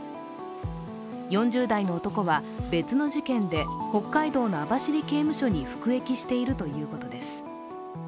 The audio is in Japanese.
４０代の男は、別の事件で北海道の網走刑務所に服役しているということです。